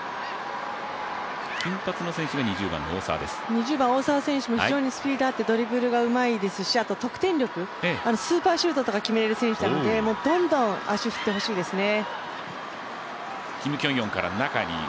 ２０番・大澤選手も非常にスピードがあってドリブルもうまいですし、あと得点力、スーパーシュートとか決められる選手なので、どんどん足を振ってほしいですね。